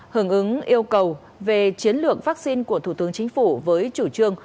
hưởng ứng yêu cầu về chiến lược vaccine của thủ tướng chính phủ với chủ trương